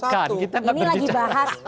ini lagi bahas